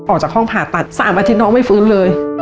ออกจากห้องผ่าตัด๓อาทิตย์น้องไม่ฟื้นเลย